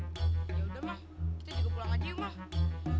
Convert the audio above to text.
yaudah mah kita juga pulang aja yuk mah